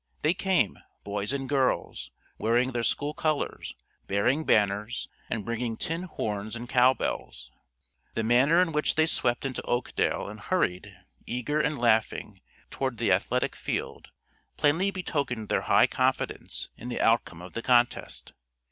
They came, boys and girls, wearing their school colors, bearing banners, and bringing tin horns and cowbells. The manner in which they swept into Oakdale and hurried, eager and laughing, toward the athletic field, plainly betokened their high confidence in the outcome of the contest.